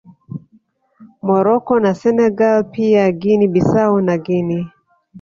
Morocco na Senegal pia Guinea Bissau na Guinea